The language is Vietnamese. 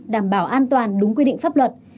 đảm bảo an toàn đúng quy định pháp luật